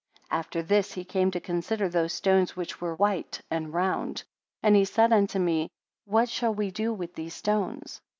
74 After this he came to consider those stones which were white and round: and he said unto me, What shall we do with these stones?